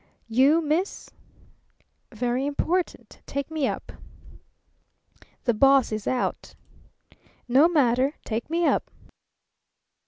"You, miss?" "Very important. Take me up." "The boss is out." "No matter. Take me up.